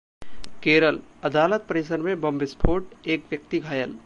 केरलः अदालत परिसर में बम विस्फोट, एक व्यक्ति घायल